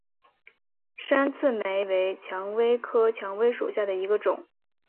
山刺玫为蔷薇科蔷薇属下的一个种。